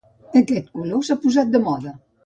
Aquest color s'ha posat de moda.